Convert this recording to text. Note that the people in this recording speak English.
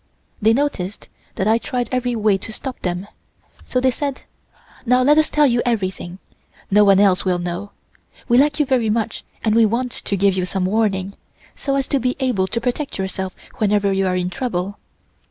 They noticed that I tried every way to stop them, so they said: "Now let us tell you everything. No one else will know. We like you very much and we want to give you some warning, so as to be able to protect yourself whenever you are in trouble."